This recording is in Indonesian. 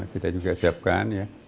kita juga siapkan ya